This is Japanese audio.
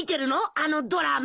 あのドラマ。